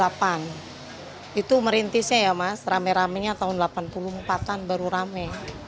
dari tahun tujuh puluh tujuh tujuh puluh delapan itu merintisnya ya mas rame ramenya tahun delapan puluh empat an baru rame